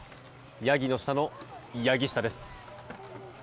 ヤギの下の柳下です。